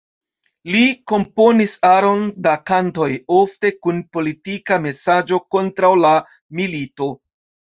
Li komponis aron da kantoj, ofte kun politika mesaĝo kontraŭ la milito.